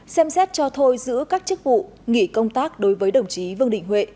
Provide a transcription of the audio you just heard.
ba xem xét cho thôi giữa các chức vụ nghỉ công tác đối với đồng chí vương đình huệ